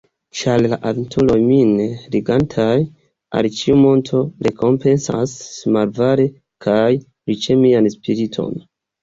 Ĉar la aventuroj min ligantaj al ĉiu monto rekompencas malavare kaj riĉe mian spiriton.